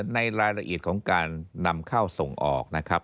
ในรายละเอียดของการนำเข้าส่งออกนะครับ